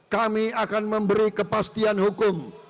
kami akan memberi kepastian hukum